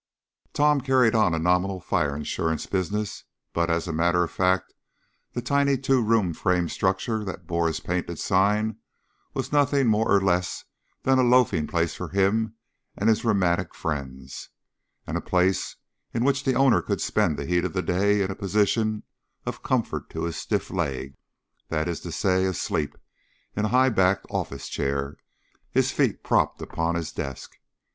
Tom carried on a nominal fire insurance business, but as a matter of fact the tiny two roomed frame structure that bore his painted sign was nothing more or less than a loafing place for him and his rheumatic friends, and a place in which the owner could spend the heat of the day in a position of comfort to his stiff leg that is to say, asleep in a high backed office chair, his feet propped upon his desk.